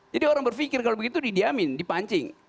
jadi orang berpikir kalau begitu didiamkan dipancing